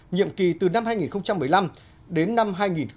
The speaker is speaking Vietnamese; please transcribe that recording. nhiệm kỳ từ năm hai nghìn một mươi năm đến năm hai nghìn hai mươi